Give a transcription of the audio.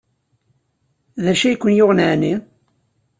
D acu ay ken-yuɣen ɛni?